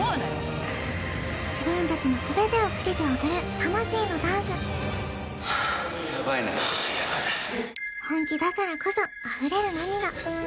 自分たちの全てをかけて踊る魂のダンス本気だからこそ溢れる涙